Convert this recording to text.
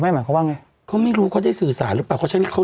คุณแม่หมายเขาว่าไงเขาไม่รู้เขาได้สื่อสารหรือเปล่าเพราะฉะนั้นเขา